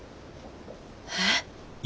えっ。